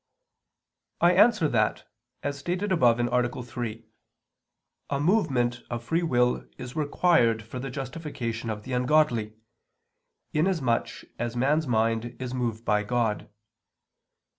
I answer that, As stated above (A. 3) a movement of free will is required for the justification of the ungodly, inasmuch as man's mind is moved by God.